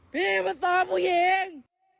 พี่มาสอบผู้หญิง